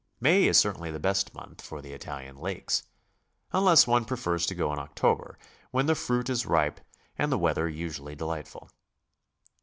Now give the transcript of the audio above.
May is certainly the best month for tl e Italian Lakes, unless one prefers to go in October, when the fruit is ripe and the weather usually delightful.